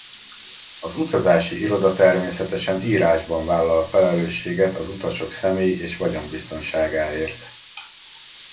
Az utazási iroda természetesen írásban vállal felelősséget az utasok személy- és vagyonbiztonságáért.